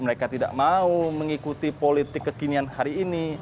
mereka tidak mau mengikuti politik kekinian hari ini